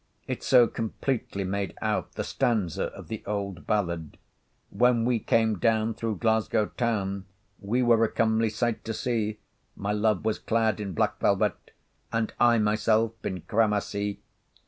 It so completely made out the stanza of the old ballad— When we came down through Glasgow town, We were a comely sight to see; My love was clad in black velve, And I myself in cramasie.